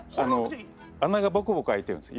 穴がボコボコ開いてるんですよ。